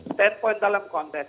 standpoint dalam konteks